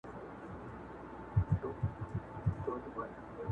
زه به درځم چي نه سپوږمۍ وي نه غمازي سترګي!